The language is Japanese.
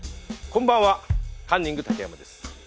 こんばんはカンニング竹山です。